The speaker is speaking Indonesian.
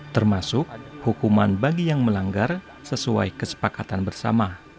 termasuk hukuman bagi yang melanggar sesuai kesepakatan bersama